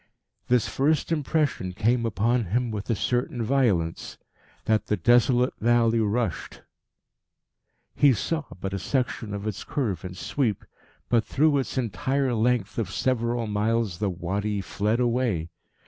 This first impression came upon him with a certain violence: that the desolate valley rushed. He saw but a section of its curve and sweep, but through its entire length of several miles the Wadi fled away.